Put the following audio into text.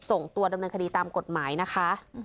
ส่งตัวดำเนินคดีตามกฎหมายนะคะ